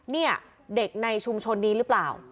เนี่ยเด็กในชุมชนนี้หรือเปล่า